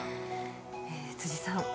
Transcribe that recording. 辻さん。